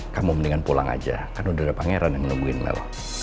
kamu mendingan pulang aja karena udah ada pangeran yang nungguin mel